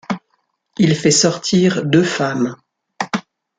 Il fait sortir deux femmes.